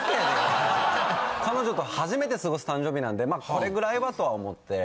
彼女と初めて過ごす誕生日なんでこれぐらいはと思って。